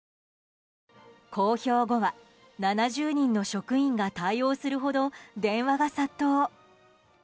公表後は７０人の職員が対応するほど電話が殺到。